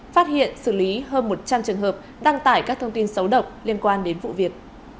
phát hiện xử lý hơn một trăm linh trường hợp đăng tải các thông tin xấu độc liên quan đến vụ việc